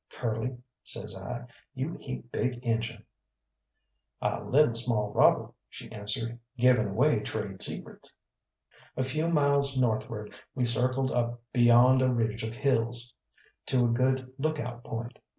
"Curly," says I, "you heap big Injun!" "I lil' small robber," she answered, "givin' away trade secrets." A few miles northward we circled up beyond a ridge of hills, to a good look out point.